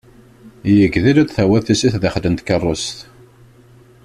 Yegdel ad d-tawiḍ tissit daxel n tkerrust.